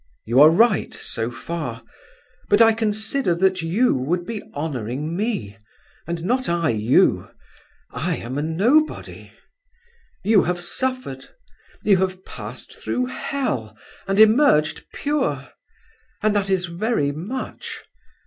You are right so far; but I consider that you would be honouring me, and not I you. I am a nobody. You have suffered, you have passed through hell and emerged pure, and that is very much.